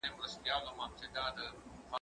کېدای سي مځکه وچه وي!.